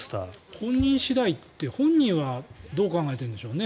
本人次第って本人はどう考えてるんでしょうね。